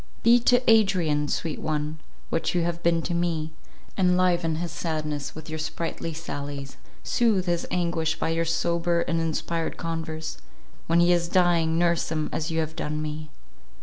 Be to Adrian, sweet one, what you have been to me—enliven his sadness with your sprightly sallies; sooth his anguish by your sober and inspired converse, when he is dying; nurse him as you have done me."